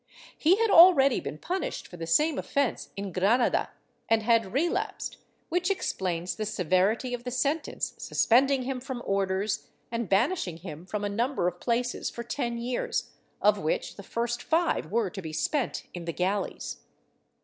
He had already been punished for the same offence in Granada, and had relapsed, which explains the severity of the sentence suspending him from orders and banishing him from a number of places for ten years, of which the first five were to be spent in the galleys.